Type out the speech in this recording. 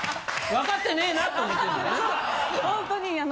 分かってねえなと思ってんねんな。